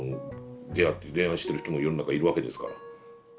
出会って恋愛してる人も世の中いるわけですから。